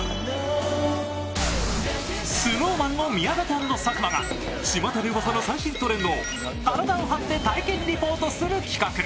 ＳｎｏｗＭａｎの宮舘＆佐久間がちまたでうわさの最新トレンドを体を張って体験リポートする企画。